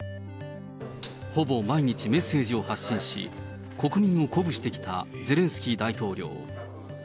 ほぼ毎日メッセージを発信し、国民を鼓舞してきたゼレンスキー大統領。